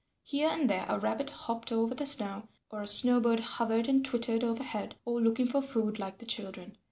Here and there a rabbit hopped over the snow, or a snowbird hovered and twittered overhead, all looking for food like the children.